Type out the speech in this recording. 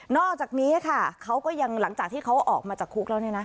อกจากนี้ค่ะเขาก็ยังหลังจากที่เขาออกมาจากคุกแล้วเนี่ยนะ